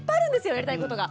やりたいことが。